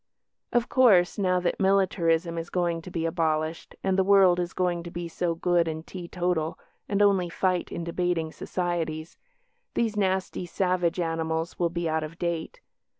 Of course, now that militarism is going to be abolished, and the world is going to be so good and teetotal, and only fight in debating societies, these nasty savage animals will be out of date.